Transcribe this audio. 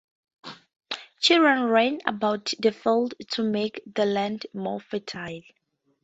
Children ran about the fields to make the land more fertile.